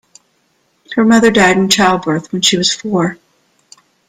Her mother died in childbirth when she was four.